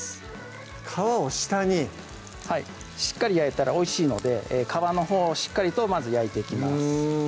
皮を下にしっかり焼いたらおいしいので皮のほうをしっかりとまず焼いていきます